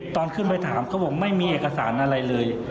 ตอนขึ้นไปถามเขาบอกไม่มีเอกสารอะไรเลย